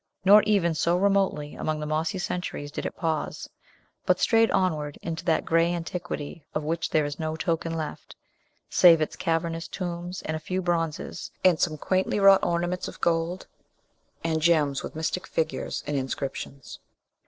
Nor even so remotely among the mossy centuries did it pause, but strayed onward into that gray antiquity of which there is no token left, save its cavernous tombs, and a few bronzes, and some quaintly wrought ornaments of gold, and gems with mystic figures and inscriptions.